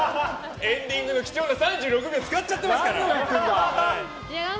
エンディングの貴重な３６秒を使っちゃってますから。